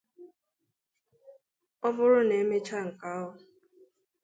Ọ bụrụ na e mechaa nke ahụ